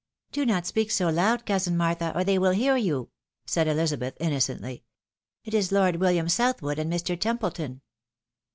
" Do not speak so loud, cousin Martha, or they wiU hear you," said Ehzabeth, innocently. " It is Lord William South ,wood and Mr. Templeton."